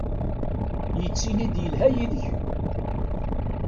Yettili-d yelha yid-k?